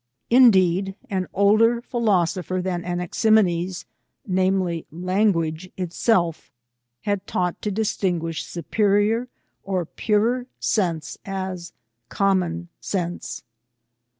Indeed, an older philosopher than Anaximenes, namely, language itself, had taught to distinguish superior or purer sense as common sense.